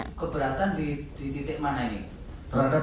itu keberatan di titik mana ini